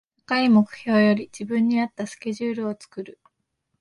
高い目標より自分に合ったスケジュールを作る